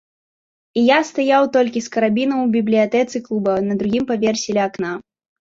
І я стаяў толькі з карабінам у бібліятэцы клуба, на другім паверсе, ля акна.